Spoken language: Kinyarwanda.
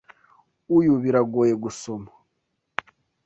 Uyu biragoye gusoma.